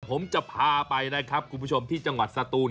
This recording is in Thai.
ผมจะพาไปนะครับคุณผู้ชมที่จังหวัดสตูน